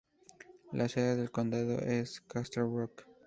La sede del condado es Castle Rock.